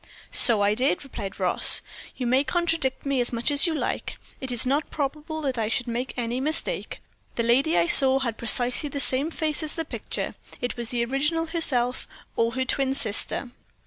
"So I did," replied Ross. "You may contradict me as much as you like. It is not probable that I should make any mistake. The lady I saw had precisely the same face as the picture. It was the original herself or her twin sister."